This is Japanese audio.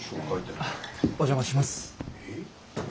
お邪魔します。